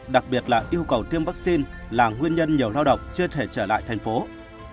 đặc biệt là yêu cầu tiêm vaccine là nguyên nhân nhiều lao động chưa thể trở lại tp hcm